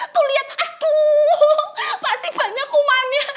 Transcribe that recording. tuh lihat aduh pasti banyak umannya